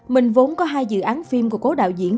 mình vốn có hai dự án phim của cố đạo diễn